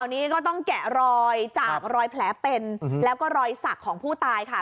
ตอนนี้ก็ต้องแกะรอยจากรอยแผลเป็นแล้วก็รอยสักของผู้ตายค่ะ